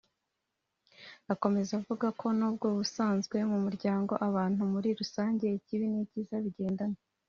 Akomeza avuga ko n’ubwo ubusanzwe mu muryango w’abantu muri rusange ikibi n’icyiza bigendana